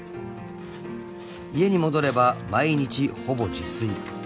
［家に戻れば毎日ほぼ自炊］